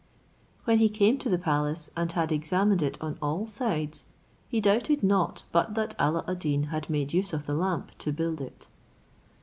When he came to the palace, and had examined it on all sides, he doubted not but that Alla ad Deen had made use of the lamp to build it.